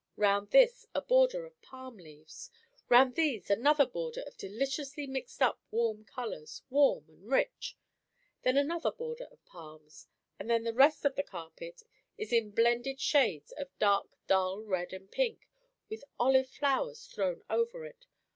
Round this a border of palm leaves. Round these another border of deliciously mixed up warm colours; warm and rich. Then another border of palms; and then the rest of the carpet is in blended shades of dark dull red and pink, with olive flowers thrown over it.